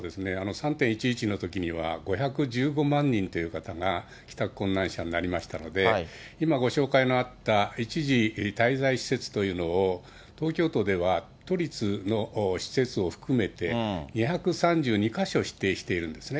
３・１１のときには、５１５万人という方が帰宅困難者になりましたので、今ご紹介のあった、一時滞在施設というのを、東京都では都立の施設を含めて、２３２か所指定しているんですね。